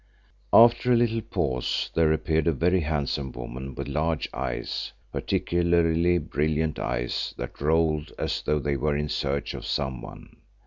After a little pause there appeared a very handsome woman with large eyes, particularly brilliant eyes that rolled as though they were in search of someone.